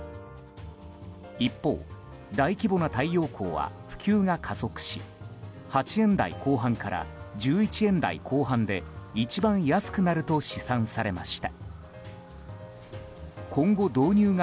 一方、大規模な太陽光は普及が加速し８円台後半から１１円台後半で一番安くなると試算されました。